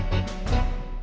mas yuk lets go